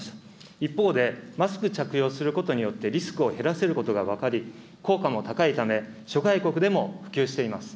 一方で、マスク着用することによってリスクを減らせることが分かり、効果も高いため、諸外国でも普及しています。